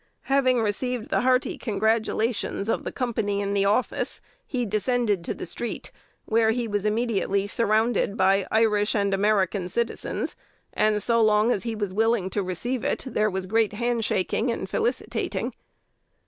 Having received the hearty congratulations of the company in the office, he descended to the street, where he was immediately surrounded by "Irish and American citizens;" and, so long as he was willing to receive it, there was great handshaking and felicitating.